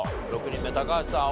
６人目高橋さん